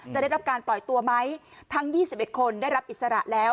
ได้รับการปล่อยตัวไหมทั้ง๒๑คนได้รับอิสระแล้ว